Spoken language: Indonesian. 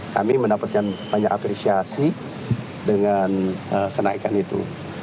kami mendapatkan banyak apresiasi dengan kenaikan itu